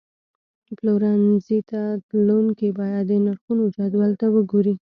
پلورنځي ته تلونکي باید د نرخونو جدول ته وګوري.